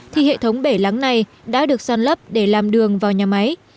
thì hệ thống bể lắng này đã được săn lấp để làm đường vào nhà máy